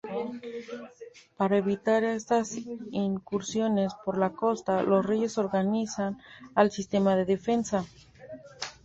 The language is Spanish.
Para evitar estas incursiones por la costa, los reyes organizan el sistema de defensa.